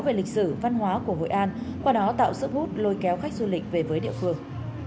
về lịch sử văn hóa của hội an qua đó tạo sự bút lôi kéo khách du lịch về với địa khường